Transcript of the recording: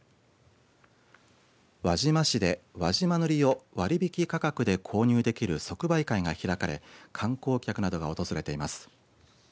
輪島市で輪島塗を割引価格で購入できる即売会が開かれ観光客などが訪れています。